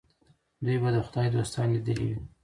دوی به د خدای دوستان لیدلي وي.